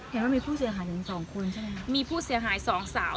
เห็นว่ามีผู้เสียหายถึงสองคนใช่ไหมครับมีผู้เสียหายสองสาว